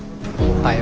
はい。